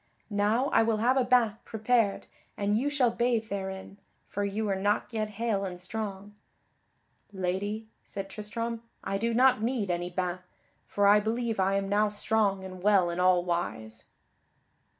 Now I will have a bain prepared and you shall bathe therein, for you are not yet hale and strong." "Lady," said Tristram, "I do not need any bain, for I believe I am now strong and well in all wise."